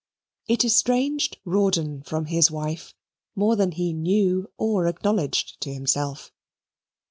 It estranged Rawdon from his wife more than he knew or acknowledged to himself.